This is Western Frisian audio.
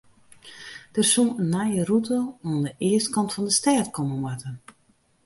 Der soe in nije rûte oan de eastkant fan de stêd komme moatte.